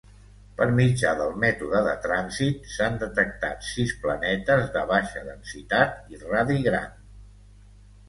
Per mitjà del mètode de trànsit, s'han detectat sis planetes de baixa densitat i radi gran.